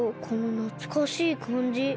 このなつかしいかんじ。